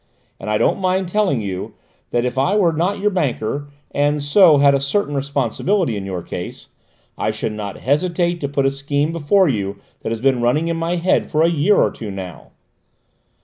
"And I don't mind telling you that if I were not your banker, and so had a certain responsibility in your case, I should not hesitate to put a scheme before you that has been running in my head for a year or two now."